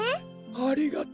ありがとう。